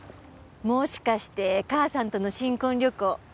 もしかして母さんとの新婚旅行